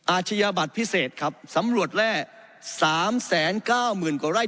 อาชญาบัติพิเศษครับสำรวจแร่สามแสนเก้าหมื่นกว่าไร่